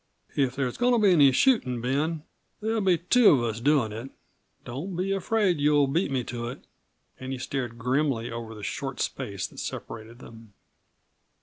"If there's goin' to be any shootin', Ben, there'll be two of us doin' it. Don't be afraid that you'll beat me to it." And he stared grimly over the short space that separated them.